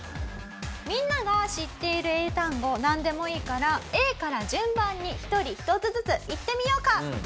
みんなが知っている英単語なんでもいいからＡから順番に１人１つずつ言ってみようか。